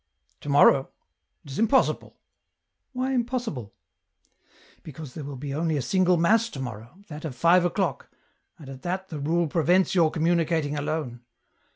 " To morrow ; it is impossible !"" Why impossible ?"" Because there will be only a single mass to morrow, that of five o'clock, and at that the rule prevents your communicating alone.